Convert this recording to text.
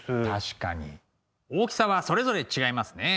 大きさはそれぞれ違いますね。